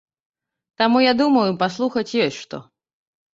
Таму я думаю, паслухаць ёсць што.